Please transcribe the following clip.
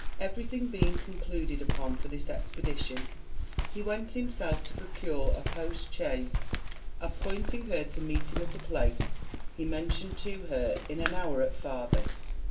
Everything being concluded upon for this expedition, he went himself to procure a post chaise, appointing her to meet him at a place he mentioned to her in an hour at farthest.